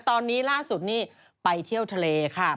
ตอนนี้ล่าสุดนี่ไปเที่ยวทะเลค่ะ